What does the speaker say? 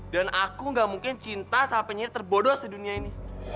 dan aku ga mungkin cinta sama penyiru terbodos di dunia ini